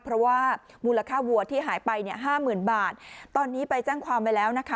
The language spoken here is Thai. เพราะว่ามูลค่าวัวที่หายไปเนี่ยห้าหมื่นบาทตอนนี้ไปแจ้งความไว้แล้วนะคะ